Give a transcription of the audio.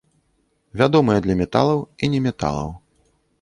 Вядомыя для металаў і неметалаў.